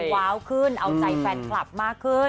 ว้าวขึ้นเอาใจแฟนคลับมากขึ้น